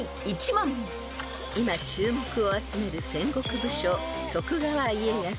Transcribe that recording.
［今注目を集める戦国武将徳川家康］